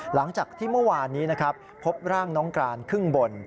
หลังจากที่เมื่อวานนี้นะครับพบร่างน้องกรานครึ่งบน